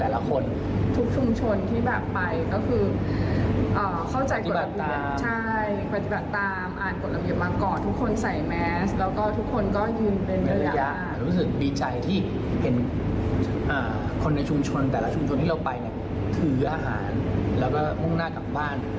รู้สึกดีใจที่เห็นคนในชุมชนแต่ละชุมชนที่เราไปถืออาหารแล้วก็มุ่งหน้ากลับบ้าน